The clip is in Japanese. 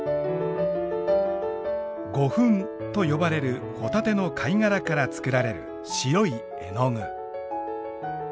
胡粉と呼ばれるホタテの貝殻から作られる白い絵の具。